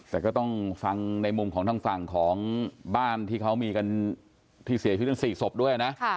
แต่ก็ต้องฟังในมุมของทางฝั่งของบ้านที่เขามีกันที่เสียชีวิตทั้ง๔ศพด้วยนะ